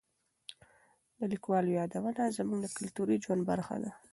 د لیکوالو یادونه زموږ د کلتوري ژوند برخه ده.